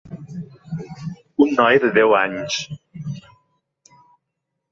Un noi de deu anys.